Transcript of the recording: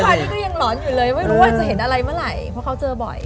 ตอนนี้ก็ยังหลอนอยู่เลยไม่รู้ว่าจะเห็นอะไรเมื่อไหร่เพราะเขาเจอบ่อย